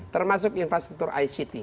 termasuk infrastruktur ict